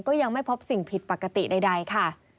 ก็ยังไม่พบสิ่งผิดปกติใดค่ะ